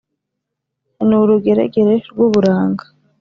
Ni urugeregere rw'uburanga,